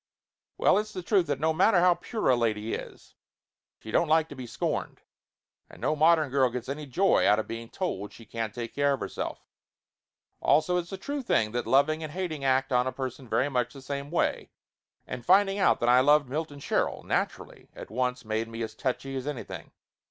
Well, it's the truth that no matter how pure a lady is, she don't like to be scorned. And no modern girl gets any joy out of being told she can't take care of herself. Also it is a true fact that loving and hating act on a person very much the same way, and finding out that I loved Milton Sherrill naturally at once made Laughter Limited 279 me as touchy as anything.